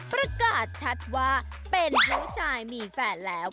ประกาศชัดว่าเป็นผู้ชายมีแฟนแล้ว